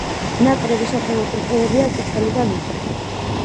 ნაკრების სათამაშო ფერებია: წითელი და ლურჯი.